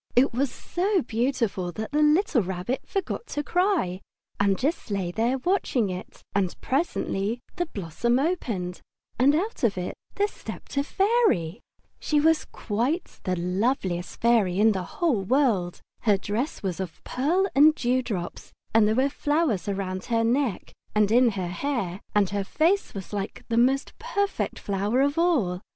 It was so beautiful that the little Rabbit forgot to cry, and just lay there watching it. And presently the blossom opened, and out of it there stepped a fairy. She was quite the loveliest fairy in the whole world. Her dress was of pearl and dew drops, and there were flowers round her neck and in her hair, and her face was like the most perfect flower of all.